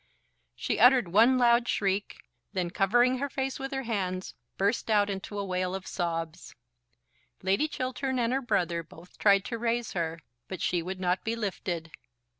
She uttered one loud shriek, and then covering her face with her hands burst out into a wail of sobs. Lady Chiltern and her brother both tried to raise her, but she would not be lifted.